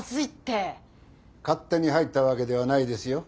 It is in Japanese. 勝手に入ったわけではないですよ。